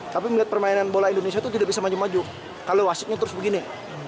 tapi melihat permainan bola indonesia itu tidak bisa maju maju kalau wasitnya terus begini